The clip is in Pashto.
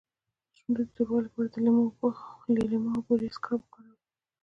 د شونډو د توروالي لپاره د لیمو او بورې اسکراب وکاروئ